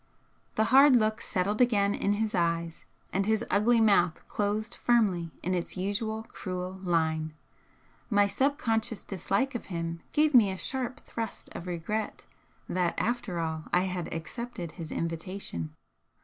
The hard look settled again in his eyes, and his ugly mouth closed firmly in its usual cruel line. My subconscious dislike of him gave me a sharp thrust of regret that, after all, I had accepted his invitation.